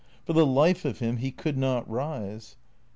For the life of him he could not rise.